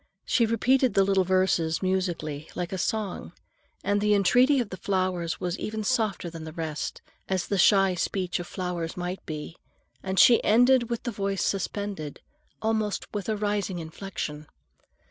She repeated the little verses musically, like a song, and the entreaty of the flowers was even softer than the rest, as the shy speech of flowers might be, and she ended with the voice suspended, almost with a rising inflection.